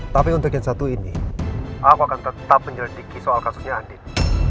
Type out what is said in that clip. tapi untuk yang satu ini ahok akan tetap menyelidiki soal kasusnya andin